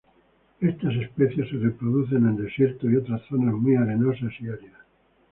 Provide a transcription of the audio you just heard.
Estas especies se reproducen en desiertos y otras zonas muy arenosas y áridas.